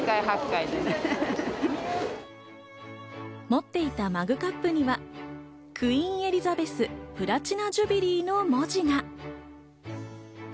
持っていたマグカップにはクイーンエリザベス、プラチナ・ジュビリーの文字が。